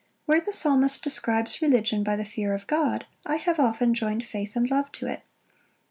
Where the Psalmist describes religion by the fear of God, I have often joined faith and love to it.